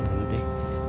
ya dulu deh